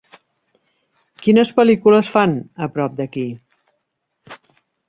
Quines pel·lícules fan a prop d'aquí